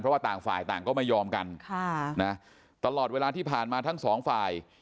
เพราะว่าต่างฝ่ายต่างก็ไม่ยอมกันตลอดเวลาที่ผ่านมาทั้งสองฝ่าย